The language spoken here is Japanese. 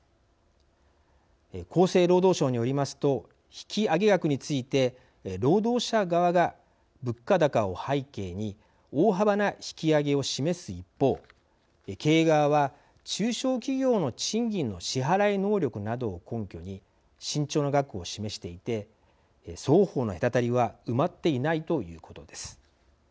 厚生労働省によりますと引き上げ額について労働者側が物価高を背景に大幅な引き上げを示す一方経営側は中小企業の賃金の支払い能力などを根拠に慎重な額を示していて双方の隔たりは埋まっていないということです。